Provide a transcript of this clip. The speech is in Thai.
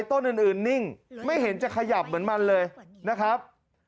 ต้นอื่นนิ่งไม่เห็นจะขยับเหมือนมันเลยนะครับ